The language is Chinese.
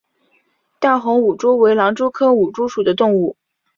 淡红舞蛛为狼蛛科舞蛛属的动物。